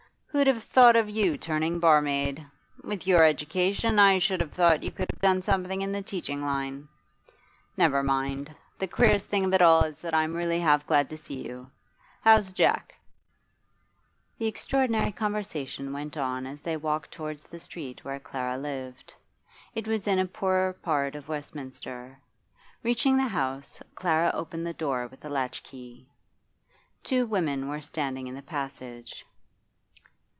Who'd have thought of you turning barmaid? With your education, I should have thought you could have done something in the teaching line. Never mind. The queerest thing of all is that I'm really half glad to see you. How's Jack?' The extraordinary conversation went on as they walked towards the street where Clara lived. It was in a poor part of Westminster. Reaching the house, Clara opened the door with a latchkey. Two women were standing in the passage.